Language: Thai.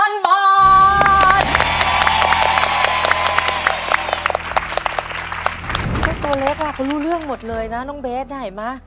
ตัวเล็กเขารู้เรื่องหมดเลยนะน้องเบสเห็นไหม